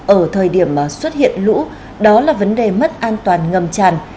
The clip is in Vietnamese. ở thời điểm xuất hiện lũ đó là vấn đề mất an toàn ngầm tràn